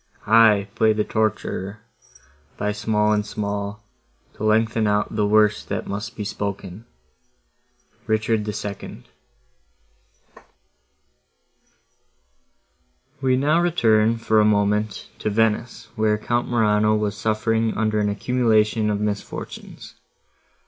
I play the torturer, by small and small, To lengthen out the worst that must be spoken. RICHARD II We now return, for a moment, to Venice, where Count Morano was suffering under an accumulation of misfortunes.